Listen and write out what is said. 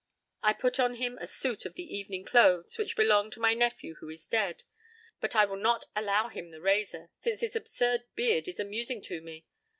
I put on him a suit of the evening clothes which belong to my nephew who is dead. But I will not allow him the razor, since his absurd beard is amusing to me.